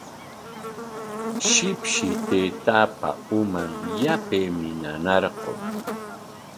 Shipshi taytaapa uman yapaymi nanarqun.